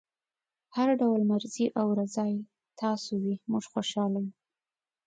هر ډول مرضي او رضای تاسو وي موږ خوشحاله یو.